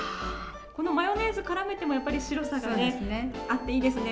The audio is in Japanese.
マヨネーズからめても白さがあっていいですね。